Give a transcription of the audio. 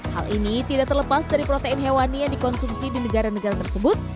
hal ini tidak terlepas dari protein hewani yang dikonsumsi di negara negara tersebut